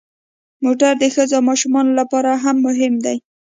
موټر د ښځو او ماشومانو لپاره هم مهم دی.